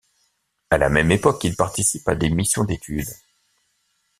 À la même époque il participe à des missions d'étude.